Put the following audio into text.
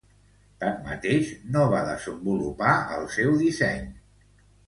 Tanmateix no va desenvolupar el seu disseny.